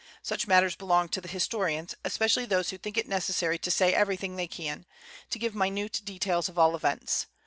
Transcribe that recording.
Such matters belong to the historians, especially those who think it necessary to say everything they can, to give minute details of all events.